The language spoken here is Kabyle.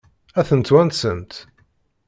Ad ten-twansemt?